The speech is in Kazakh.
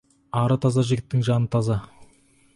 Ары таза жігіттің жаны таза.